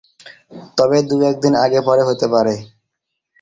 তবে দু-একদিন আগে-পরে হতে পারে।